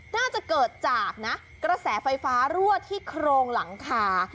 น่าจะเกิดจากนะกระแสไฟฟ้ารั่วที่โครงหลังคา